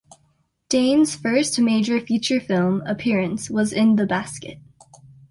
Dane's first major feature film appearance was in "The Basket".